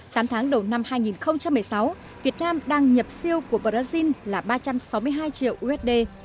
tám tháng đầu năm hai nghìn một mươi sáu việt nam đang nhập siêu của brazil là ba trăm sáu mươi hai triệu usd